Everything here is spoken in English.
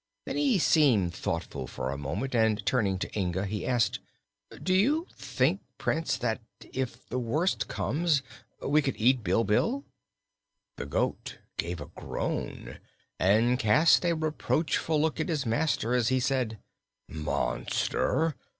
Then he seemed thoughtful for a moment and turning to Inga he asked: "Do you think, Prince, that if the worst comes, we could eat Bilbil?" The goat gave a groan and cast a reproachful look at his master as he said: "Monster!